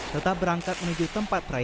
tetap berangkat menuju tempat perayaan